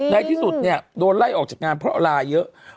ในที่สุดเนี่ยโดนไล่ออกจากงานเพราะลาเยอะ